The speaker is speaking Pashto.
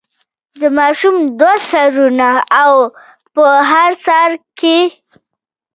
د ماشوم دوه سرونه او په هر سر کې.